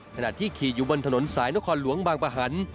ขณะที่ขี่อยู่บนถนนสายนครหลวงบางประหัน